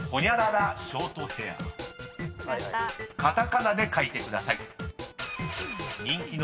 ［カタカナで書いてください］